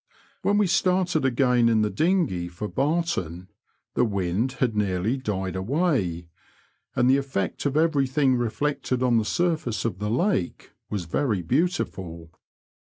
When we started again in the dinghey for Barton, the wind had nearly died away, and the effect of everything reflected on the surface of the lake was very beautiful.